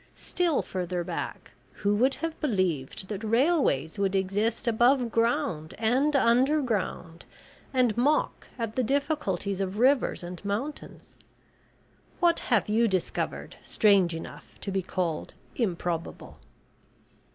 Still further back, who would have believed that railways would exist above ground and under ground, and mock at the difficulties of rivers and mountains? What have you discovered strange enough to be called `improbable'?"